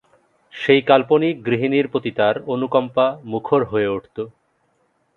সেই কাল্পনিক গৃহিণীর প্রতি তাঁর অনুকম্পা মুখর হয়ে উঠত।